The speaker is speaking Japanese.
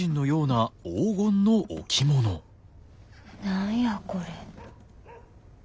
何やこれ。